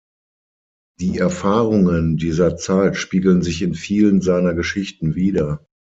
Die Erfahrungen dieser Zeit spiegeln sich in vielen seiner Geschichten wider.